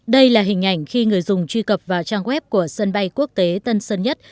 đây là hình ảnh khi người dùng truy cập vào trang web của sân bay quốc tế tân sơn nhất